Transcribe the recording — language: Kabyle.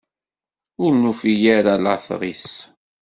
Ur nufi ara later-is.